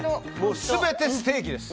全てステーキです